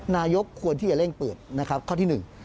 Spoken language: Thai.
นายกควรที่จะเร่งเปิดนะครับข้อที่หนึ่ง